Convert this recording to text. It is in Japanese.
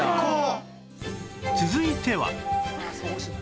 続いては